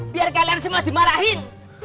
biar kalian semua dimarahin